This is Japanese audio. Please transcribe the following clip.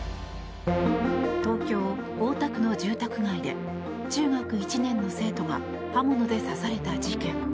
東京・大田区の住宅街で中学１年の生徒が刃物で刺された事件。